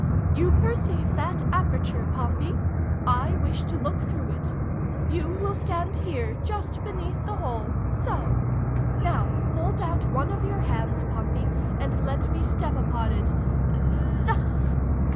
"You perceive that aperture, Pompey. I wish to look through it. You will stand here just beneath the hole—so. Now, hold out one of your hands, Pompey, and let me step upon it—thus.